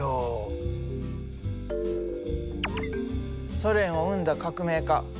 ソ連を生んだ革命家。